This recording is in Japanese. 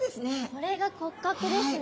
これが骨格ですね。